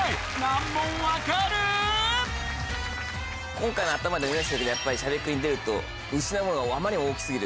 今回も頭で思いましたけど『しゃべくり』に出ると失うものがあまりに大き過ぎる。